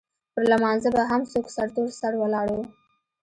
پر لمانځه به هم څوک سرتور سر ولاړ وو.